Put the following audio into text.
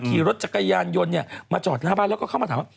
ขี่รถจักรยานยนต์มาจอดหน้าบ้านแล้วก็เข้ามาถามว่า